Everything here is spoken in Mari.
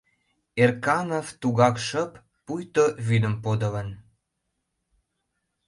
Эрканов тугак шып, пуйто вӱдым подылын.